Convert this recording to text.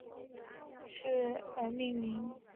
荃湾线以北端的总站设于荃湾站而命名。